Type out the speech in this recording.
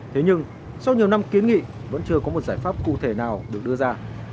thế nhưng sau nhiều năm kiến nghị vẫn chưa có một giải pháp cụ thể nào được đưa ra